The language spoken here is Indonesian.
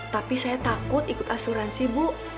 tapi saya takut ikut asuransi bu